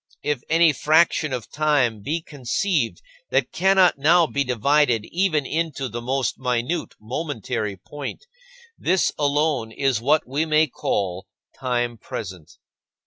If any fraction of time be conceived that cannot now be divided even into the most minute momentary point, this alone is what we may call time present.